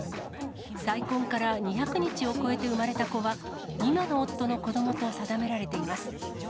再婚から２００日を超えて産まれた子は、今の夫の子どもと定められています。